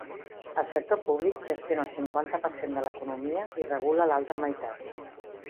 El sector públic gestiona el cinquanta per cent de l’economia i regula l’altra meitat.